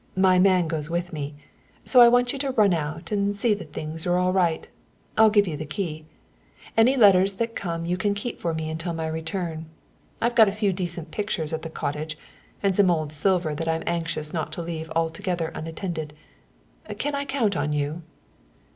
My man goes with me, so I want you to run out and see that things are all right. I'll give you the key. Any letters that come you can keep for me until my return. I've got a few decent pictures at the cottage and some old silver that I'm anxious not to leave altogether unattended. Can I count on you?"